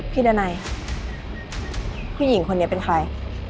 พี่ดันไนผู้หญิงคนนี้เป็นใคร